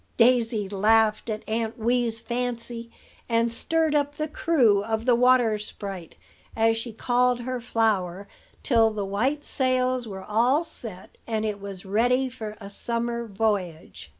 '" Daisy laughed at Aunt Wee's fancy, and stirred up the crew of the Water sprite, as she called her flower, till the white sails were all set, and it was ready for a summer voyage.